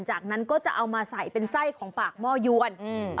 จากนั้นก็จะเอามาใส่เป็นไส้ของปากหม้อยวนอืม